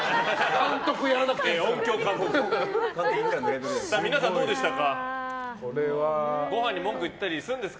監督やらなくていいです。